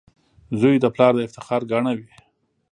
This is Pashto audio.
• زوی د پلار د افتخار ګاڼه وي.